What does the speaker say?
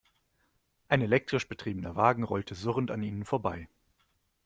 Ein elektrisch betriebener Wagen rollte surrend an ihnen vorbei.